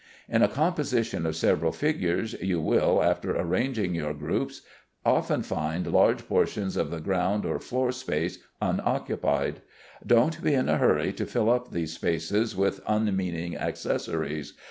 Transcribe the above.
In a composition of several figures, you will, after arranging your groups, often find large portions of the ground or floor space unoccupied. Don't be in a hurry to fill up these spaces with unmeaning accessories.